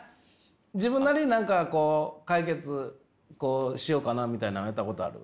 自分なりに何かこう解決しようかなみたいのやったことある？